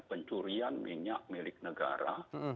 pencurian minyak milik negara